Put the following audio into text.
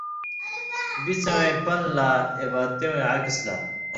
بِڅَیں پن لا، عِبادتیواں عَکَس لا